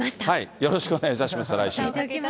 よろしくお願いいたします、来週。